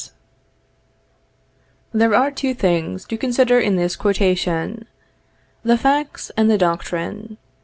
] There are two things to consider in this quotation. The facts and the doctrine.